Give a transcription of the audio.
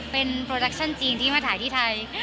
เป็นโปรดักชั่นจีนที่มาถ่ายที่ไทย